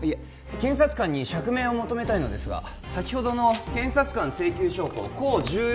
検察官に釈明を求めたいのですが先ほどの検察官請求証拠甲十四